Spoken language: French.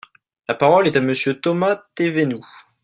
La parole est à Monsieur Thomas Thévenoud.